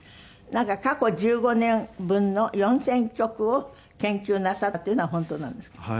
なんか過去１５年分の４０００曲を研究なさったっていうのは本当なんですか？